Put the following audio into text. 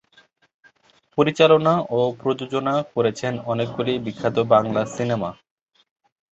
পরিচালনা ও প্রযোজনা করেছেন অনেকগুলি বিখ্যাত বাংলা সিনেমা।